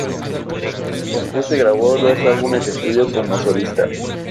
Compuso y grabó dos álbumes de estudio como solista.